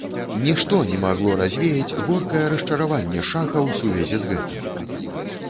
Нішто не магло развеяць горкае расчараванне шаха ў сувязі з гэтым.